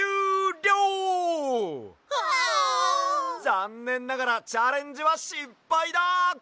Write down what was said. ざんねんながらチャレンジはしっぱいだ！